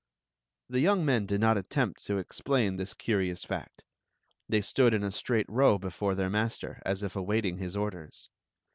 The young men did not attempt to explain this curi ous fact. They stood in a straight row before tfieir master, as if awaiting his orders.